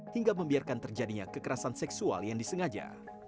hingga membiarkan terjadinya kekerasan seksual yang disengaja